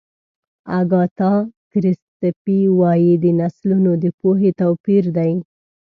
اګاتا کریسټي وایي د نسلونو د پوهې توپیر دی.